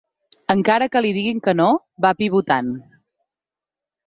Encara que li diguin que no, va pivotant.